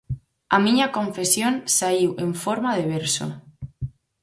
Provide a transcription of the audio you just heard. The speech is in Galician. A miña confesión saíu en forma de verso.